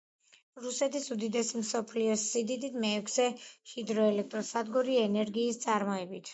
რუსეთის უდიდესი და მსოფლიოს სიდიდით მეექვსე ჰიდროელექტროსადგური ენერგიის წარმოებით.